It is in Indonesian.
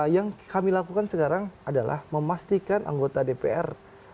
yang kami lakukan sekarang adalah memastikan anggota dpr